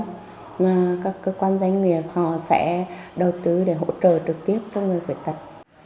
các nhà hào tấm các cơ quan doanh nghiệp họ sẽ đầu tư để hỗ trợ trực tiếp cho người khuyết tật